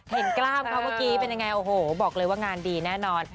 กล้ามเขาเมื่อกี้เป็นยังไงโอ้โหบอกเลยว่างานดีแน่นอน